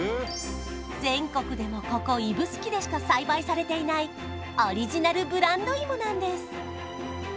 全国でもここ指宿でしか栽培されていないオリジナルブランド芋なんです